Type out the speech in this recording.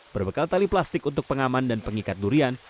berbekal tali plastik untuk pengaman dan pengikat durian